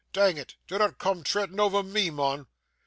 Dang it, dinnot coom treadin' ower me, mun.